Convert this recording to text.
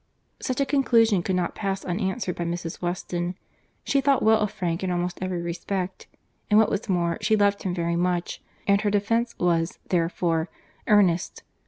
Such a conclusion could not pass unanswered by Mrs. Weston. She thought well of Frank in almost every respect; and, what was more, she loved him very much, and her defence was, therefore, earnest.